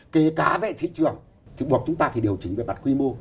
kể cả về thị trường thì buộc chúng ta phải điều chỉnh về mặt quy mô